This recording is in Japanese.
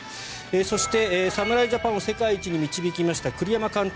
そして、侍ジャパンを世界一に導きました栗山監督